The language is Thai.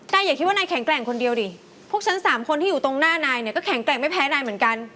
แต่อย่าคิดว่านายแข็งแกร่งคนเดียวดิพวกฉันสามคนที่อยู่ตรงหน้านายเนี่ยก็แข็งแกร่งไม่แพ้นายเหมือนกัน